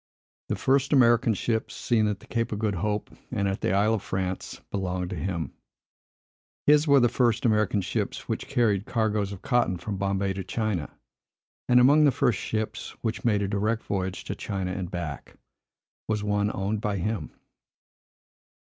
The first American ships, seen at the Cape of Good Hope and at the Isle of France, belonged to him. His were the first American ships which carried cargoes of cotton from Bombay to China; and among the first ships which made a direct voyage to China and back, was one owned by him.